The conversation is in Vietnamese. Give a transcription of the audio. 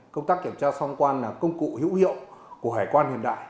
công tác kiểm tra sau thông quan là công cụ hữu hiệu của hải quan hiện đại